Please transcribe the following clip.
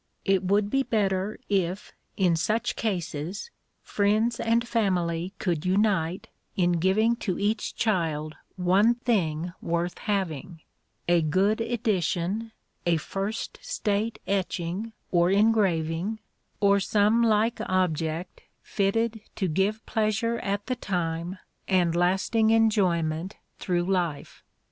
It would be better if, in such cases, friends and family could unite in giving to each child one thing worth having a good edition, a first state etching or engraving, or some like object fitted to give pleasure at the time and lasting enjoyment through life.